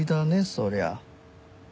そりゃ。